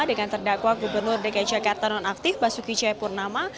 dengan terdakwa gubernur dki jakarta nonaktif basuki cayapurnama